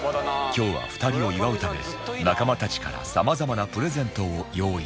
今日は２人を祝うため仲間たちからさまざまなプレゼントを用意しています